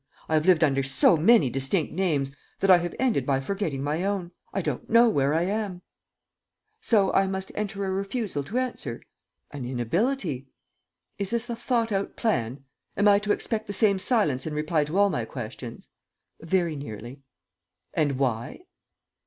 I have lived under so many distinct names that I have ended by forgetting my own. I don't know where I am." "So I must enter a refusal to answer?" "An inability." "Is this a thought out plan? Am I to expect the same silence in reply to all my questions?" "Very nearly." "And why?"